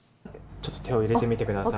ちょっと手を入れてみてください。